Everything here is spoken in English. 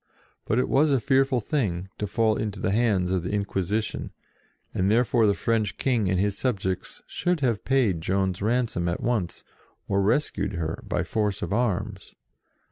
But it was a fearful thing to fall into the hands of the Inquisi tion, and therefore the French King and his subjects should have paid Joan's ransom at once or rescued her by force of arms.